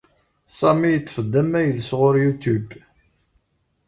Sami yeṭṭef-d amayel sɣur Youtube.